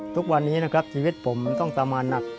ทุกวันนี้นะครับชีวิตผมมันต้องทรมานหนัก